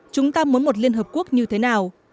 chúng ta muốn một liên hợp quốc như thế nào